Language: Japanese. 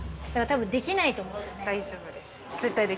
だから多分できないと思うんですよね。